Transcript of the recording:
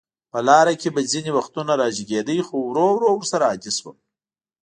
په لاره کې به ځینې وختونه راجګېده، خو ورو ورو ورسره عادي شوم.